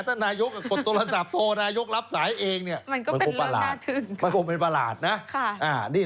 ถ้านายกกดโทรศัพท์โทรนายกรับสายเองมันก็เป็นเรื่องน่าทื่น